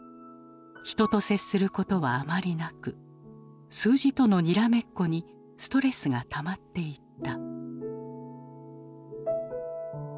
人と接することはあまりなく数字とのにらめっこにストレスがたまっていった。